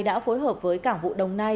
đã phối hợp với cảng vụ đồng nai